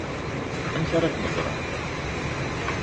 Amek ara kem-ẓreɣ?